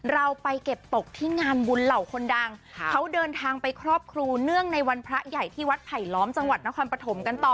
เราไปเก็บตกที่งานบุญเหล่าคนดังเขาเดินทางไปครอบครูเนื่องในวันพระใหญ่ที่วัดไผลล้อมจังหวัดนครปฐมกันต่อ